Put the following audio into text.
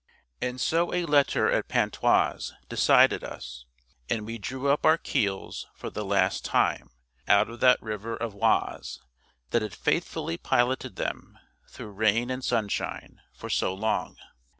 And so a letter at Pontoise decided us, and we drew up our keels for the last time out of that river of Oise that had faithfully piloted them, through rain and sunshine, for so long.